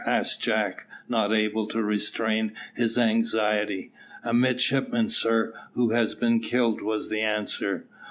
asked Jack, not able to restrain his anxiety. "A midshipman, sir, who has been killed," was the answer.